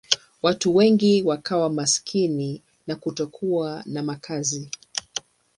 Watu wengi wakawa maskini na kutokuwa na makazi.